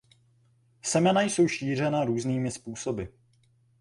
Semena jsou šířena různými způsoby.